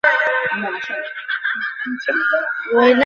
রায়পুর এই রাজ্যের রাজধানী।